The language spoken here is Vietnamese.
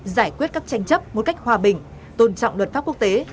giải quyết các tranh chấp một cách hòa bình tôn trọng luật pháp quốc tế